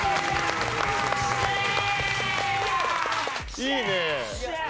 いいね。